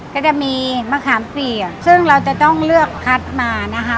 ก็จะมีมะขามเปียกซึ่งเราจะต้องเลือกคัดมานะคะ